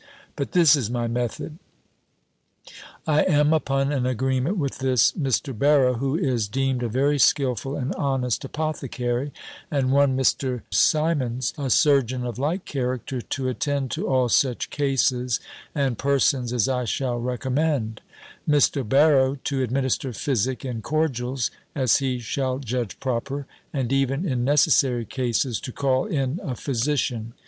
But this is my method: I am upon an agreement with this Mr. Barrow, who is deemed a very skilful and honest apothecary, and one Mr. Simmonds, a surgeon of like character, to attend to all such cases and persons as I shall recommend; Mr. Barrow, to administer physic and cordials, as he shall judge proper, and even, in necessary cases, to call in a physician.